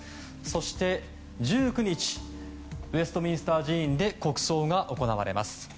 そして、１９日ウェストミンスター寺院で国葬が行われます。